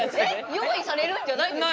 用意されるんじゃないんですか？